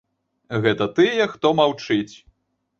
Гэта тыя, хто маўчыць.